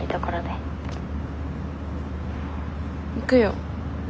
行くよ。